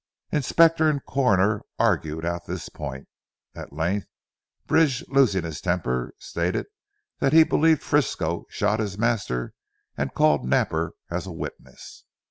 Inspector and Coroner argued out this point. At length Bridge losing his temper stated that he believed Frisco shot his master and called Napper as a witness.